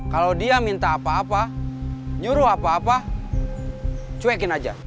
kalau dia minta apa apa nyuruh apa apa cuekin aja